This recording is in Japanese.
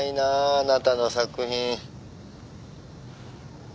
あなたの作品。